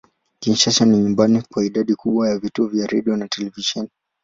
Kinshasa ni nyumbani kwa idadi kubwa ya vituo vya redio na televisheni.